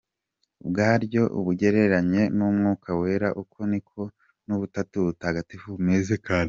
bwaryo ubugereranye n'Umwuka Wera, uko niko nubutatu butagatifu bumeze kandi.